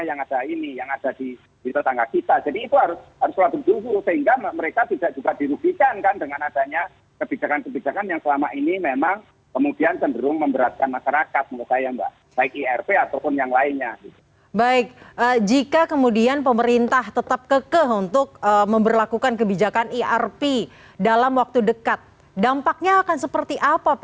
nah ini angkot itu bisa diganti dengan jendela kendaraan yang lebih lebih lagi